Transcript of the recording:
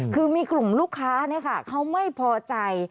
คือมีกลุ่มลูกค้าเขาไม่พอใจ